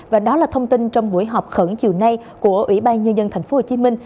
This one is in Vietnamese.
và đó là thông tin trong buổi họp khẩn chiều nay của ủy ban nhân dân tp hcm